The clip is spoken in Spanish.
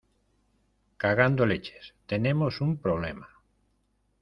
cagando leches. tenemos un problema .